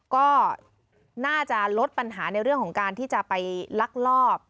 ก็น่าจะลดปัญหาในเรื่องของการที่จะไปลักลอบ